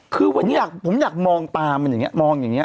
คือวันนี้ผมอยากมองตามันอย่างนี้มองอย่างนี้